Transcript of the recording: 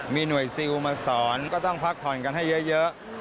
มีหน่วยซิลมาสอนก็ต้องพักผ่อนกันให้เยอะ